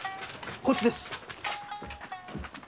こっちです。